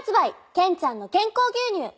ケンちゃんの健康牛乳。